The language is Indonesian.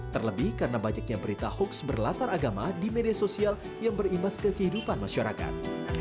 terlebih karena banyaknya berita hoax berlatar agama di media sosial yang berimbas ke kehidupan masyarakat